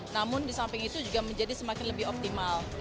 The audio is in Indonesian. namun di samping itu juga menjadi semakin lebih optimal